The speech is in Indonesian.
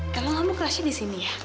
kalau kamu kelasnya di sini ya